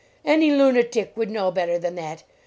Any lunatic would know better than that.